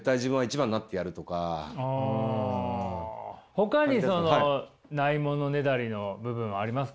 ほかに無いものねだりの部分はありますか？